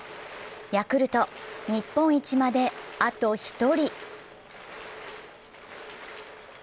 ヤクルト、日本一まであと１人。